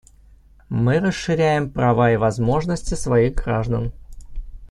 Мы расширяем права и возможности своих граждан.